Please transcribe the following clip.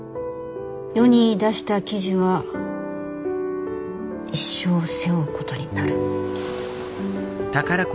世に出した記事は一生背負うことになる。